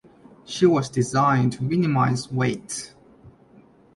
She was designed to minimise weight.